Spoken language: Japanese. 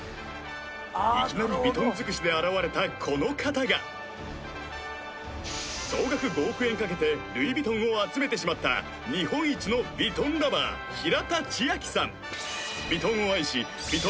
いきなりヴィトン尽くしで現れたこの方が総額５億円かけてルイ・ヴィトンを集めてしまった平田智秋さん